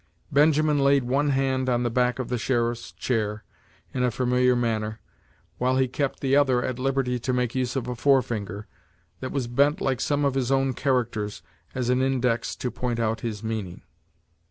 Benjamin laid one hand on the back of the sheriff's chair, in a familiar manner, while he kept the other at liberty to make use of a forefinger, that was bent like some of his own characters, as an index to point out his meaning.